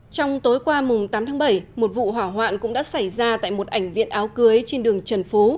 trong tối qua mùng tám tháng bảy một vụ hỏa hoạn cũng đã xảy ra tại một ảnh viện áo cưới trên đường trần phú